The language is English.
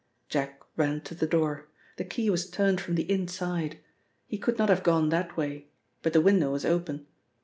Jack ran to the door. The key was turned from the inside. He could not have gone that way, but the window was open.